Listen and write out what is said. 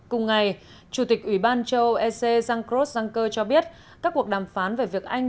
cùng ngày chủ tịch ủy ban châu âu ec jean croncker cho biết các cuộc đàm phán về việc anh